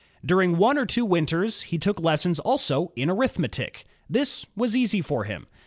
During one or two winters, he took lessons also in arithmetic. This was easy for him.